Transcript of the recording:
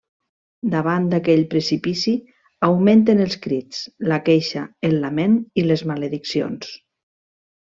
Davant d'aquell precipici augmenten els crits, la queixa, el lament i les malediccions.